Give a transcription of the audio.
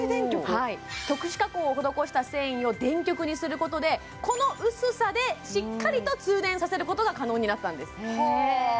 特殊加工を施した繊維を電極にすることでこの薄さでしっかりと通電させることが可能になったんですはあへえ！